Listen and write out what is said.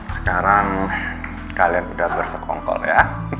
sekarang kalian udah bersokong kong ya